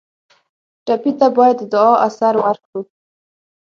ټپي ته باید د دعا اثر ورکړو.